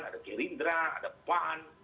ada gerindra ada pan